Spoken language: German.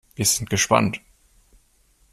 Wir sind gespannt.